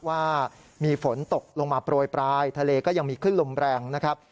ว่ามีฝนตกลงมาโปรยปลายทะเลก็ยังมีขึ้นลมแรงนะครับ